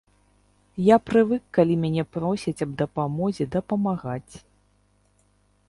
Я прывык калі мяне просяць аб дапамозе, дапамагаць.